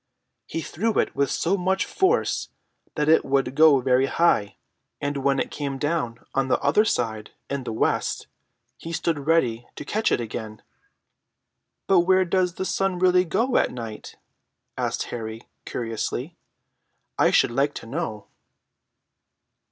He threw it with so much force that it would go very high, and when it came down on the other side in the west, he stood ready to catch it again." "But where does the sun really go to at night?" asked Harry curiously. "I should like to know."